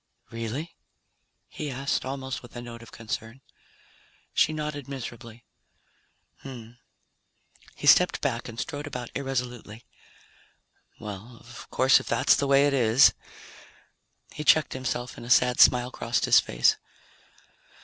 "Really?" he asked, almost with a note of concern. She nodded miserably. "Hmm!" He stepped back and strode about irresolutely. "Well, of course, if that's the way it is ..." He checked himself and a sad smile crossed his face.